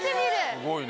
すごいね。